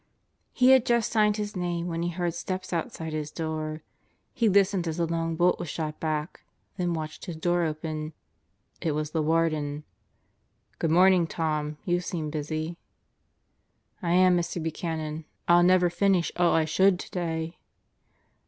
He had just signed his name when he heard steps outside his door. He listened as the long bolt was shot back, then watched his door open. It was the Warden. "Good morning, Tom. You seem busy." "I am, Mr. Buchanan. Fll never finish all I should today."